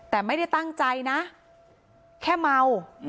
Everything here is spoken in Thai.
แต่ไม่ได้ตั้งใจนะแค่เมา